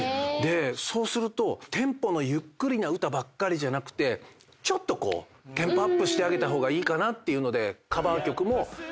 そうするとテンポのゆっくりな歌ばっかりじゃなくてちょっとテンポアップしてあげた方がいいかなっていうので。